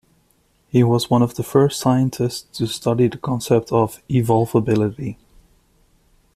He was one of the first scientists to study the concept of evolvability.